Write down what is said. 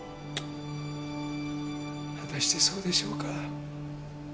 果たしてそうでしょうか？